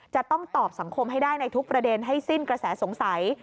จะต้องตอบสังคมให้ได้ในทุกประเด็นให้สิ้นกระแสสงสัย